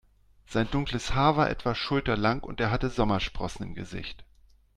Sein dunkles Haar war etwa schulterlang und er hatte Sommersprossen im Gesicht.